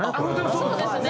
そうですね。